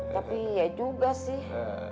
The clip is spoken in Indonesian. tapi iya juga sih